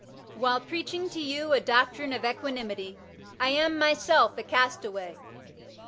While preaching to you a doctrine of equanimity, I am, mjaelf , a castaway.